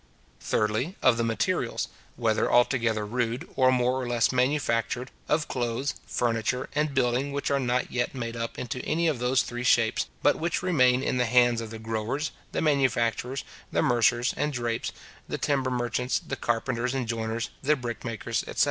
Thirdly, of the materials, whether altogether rude, or more or less manufactured, of clothes, furniture, and building which are not yet made up into any of those three shapes, but which remain in the hands of the growers, the manufacturers, the mercers, and drapers, the timber merchants, the carpenters and joiners, the brick makers, etc.